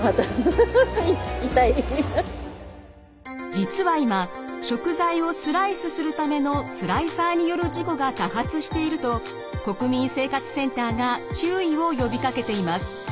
実は今食材をスライスするためのスライサーによる事故が多発していると国民生活センターが注意を呼びかけています。